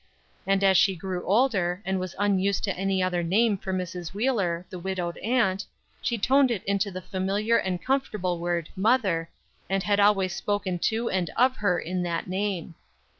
And as she grew older and was unused to any other name for Mrs. Wheeler, the widowed aunt, she toned it into the familiar and comfortable word "mother," and had always spoken to and of her in that name.